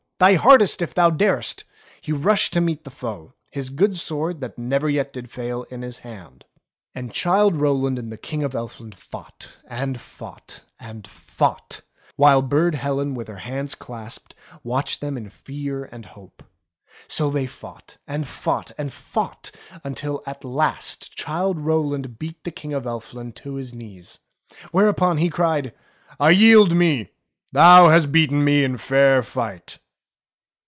thy hardest if thou dar'st !" he rushed to meet the foe, his good sword, that never yet did fail, in his hand. And Childe Rowland and the King of Elfland fought, and fought, and fought, while Burd Helen with her hands clasped, watched them in fear and hope. So they fought, and fought, and fought, until at last Childe Rowland beat the King of Elfland to his knees. Whereupon he cried, I yield me. Thou hast beaten me in fair fight."